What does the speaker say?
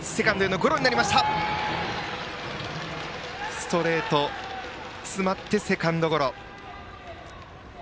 ストレート、詰まってセカンドゴロ。